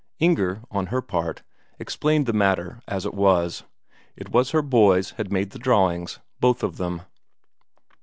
Inger, on her part, explained the matter as it was: it was her boys had made the drawings both of them.